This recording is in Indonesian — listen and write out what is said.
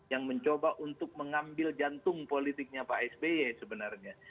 yang mencoba untuk mengambil jantung politiknya pak sby sebenarnya